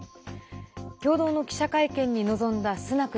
共同の記者会見に臨んだスナク